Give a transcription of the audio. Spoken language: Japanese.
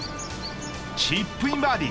チップインバーディ。